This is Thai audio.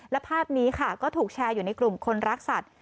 และภาพนี้ค่ะก็ถูกแชร์อยู่ในกลุ่มคนรักสัตว